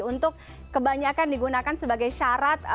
untuk kebanyakan digunakan sebagai syarat